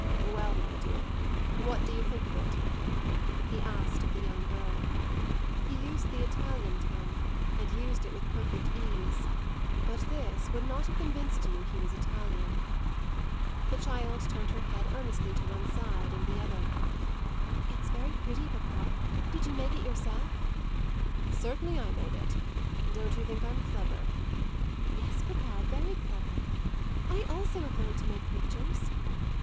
"Well, my dear, what do you think of it?" he asked of the young girl. He used the Italian tongue, and used it with perfect ease; but this would not have convinced you he was Italian. The child turned her head earnestly to one side and the other. "It's very pretty, papa. Did you make it yourself?" "Certainly I made it. Don't you think I'm clever?" "Yes, papa, very clever; I also have learned to make pictures."